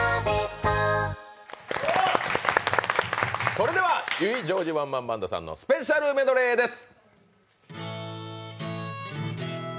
それでは油井ジョージワンマンバンドさんのスペシャルメドレーです。